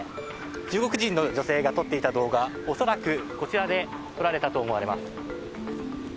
中国人の女性が撮っていた動画恐らく、こちらで撮られたと思われます。